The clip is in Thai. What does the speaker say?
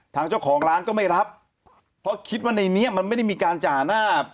ทางเจ้าของร้านก็ไม่รับเพราะคิดว่าในนี้มันไม่ได้มีการจ่าหน้า